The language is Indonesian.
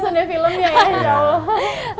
buku nanti bisa keluar lagi lagu atau film mungkin